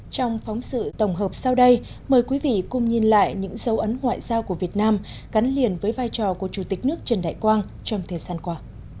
trong phóng sự tổng hợp sau đây mời quý vị cùng nhìn lại những dấu ấn ngoại giao của việt nam gắn liền với vai trò của chủ tịch nước trần đại quang trong thời gian qua